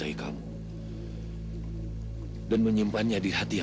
aku hanya bernasib baik